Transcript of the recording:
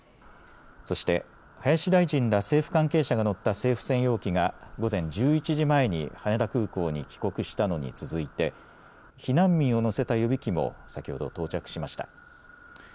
そして、林大臣ら政府関係者が乗った政府専用機が午前１１時前に羽田空港に帰国したのに続いて避難民を乗せた予備機も先ほど到着しました。